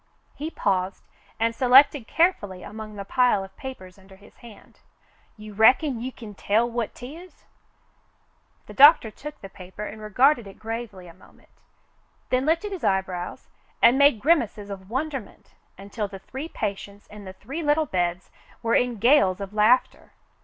He paused, and selected carefully among the pile of papers under his hand. "You reckon you kin tell what 'tis ^" The doctor took the paper and regarded it gravely a moment, then lifted his eyebrows and made grimaces of wonderment until the three patients in the three little beds were in gales of laughter.